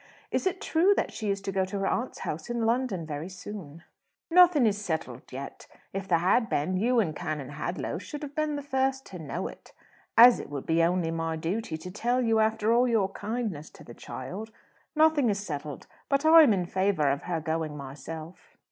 Is it true that she is to go to her aunt's house in London very soon?" "Nothing is settled yet. If there had been, you and Canon Hadlow should have been the first to know it as it would be only my duty to tell you, after all your kindness to the child. Nothing is settled. But I am in favour of her going myself."